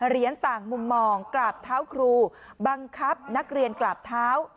เหรียญต่างมุมมองกราบเท้าครูบังคับนักเรียนกราบเท้า